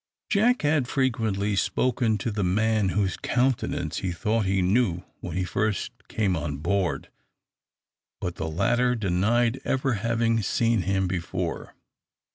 Jack had frequently spoken to the man whose countenance he thought he knew when he first came on board, but the latter denied ever having seen him before.